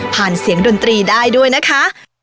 เสียงดนตรีได้ด้วยนะคะ